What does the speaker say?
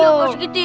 iya pak sri giti